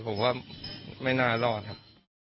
ผมว่าไม่น่ารอดครับ